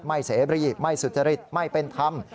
ไม่เสียบรีไม่สุจริตไม่เป็นคำ